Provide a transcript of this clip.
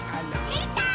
できたー！